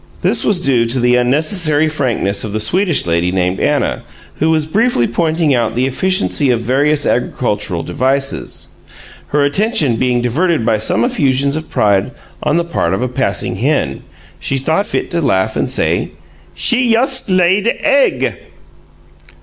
This was due to the unnecessary frankness of the Swedish lady named Anna, who was briefly pointing out the efficiency of various agricultural devices. Her attention being diverted by some effusions of pride on the part of a passing hen, she thought fit to laugh and say: "She yust laid egg."